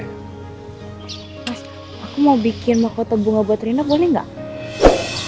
mas aku mau bikin mahkota bunga buat rina boleh nggak